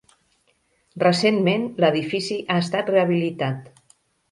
Recentment l'edifici ha estat rehabilitat.